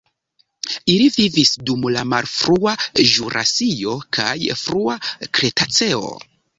Ili vivis dum la malfrua ĵurasio kaj frua kretaceo.